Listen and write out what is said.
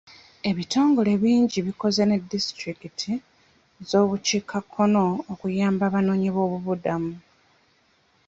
Ebitongole bingi bikoze ne disitulikiti z'obukiikakkono okuyamba abanoonyiboobubudamu.